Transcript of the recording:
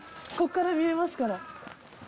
こっから見えますから。